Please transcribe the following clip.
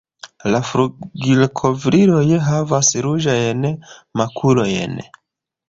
La flugilkovriloj havas ruĝajn makulojn.